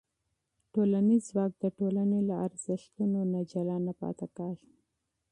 ټولنیز ځواک د ټولنې له ارزښتونو نه جلا نه پاتې کېږي.